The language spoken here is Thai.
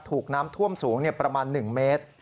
ถูกน้ำท่วมสูงประมาณ๑เมตร